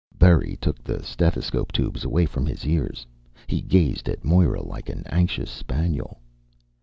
Berry took the stethoscope tubes away from his ears. He gazed at Moira like an anxious spaniel.